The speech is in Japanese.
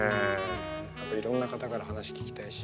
やっぱりいろんな方から話聞きたいし。